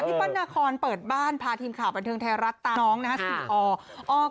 เปิ้ลนาคอนเปิดบ้านพาทีมข่าวบันเทิงไทยรัฐตามน้องนะครับ